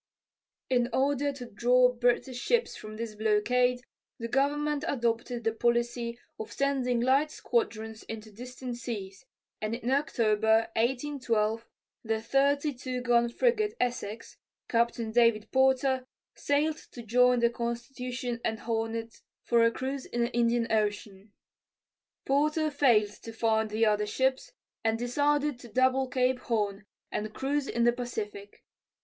In order to draw British ships from this blockade, the government adopted the policy of sending light squadrons into distant seas, and in October, 1812, the 32 gun frigate Essex, Captain David Porter, sailed to join the Constitution and Hornet for a cruise in the Indian Ocean. Porter failed to find the other ships and decided to double Cape Horn and cruise in the Pacific.